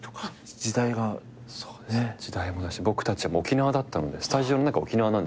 時代もだし僕たち沖縄だったのでスタジオの中沖縄なんですよ。